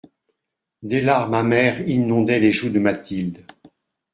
Des larmes amères inondaient les joues de Mathilde.